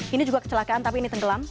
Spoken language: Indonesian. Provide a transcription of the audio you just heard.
ini juga kecelakaan tapi ini tenggelam